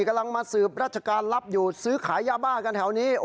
กำลังมาสืบราชการรับอยู่ซื้อขายยาบ้ากันแถวนี้